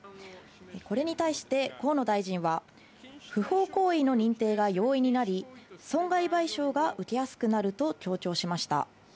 これに対して河野大臣は、不法行為の認定が容易になり、損害賠償が受けやすくなると強調しました。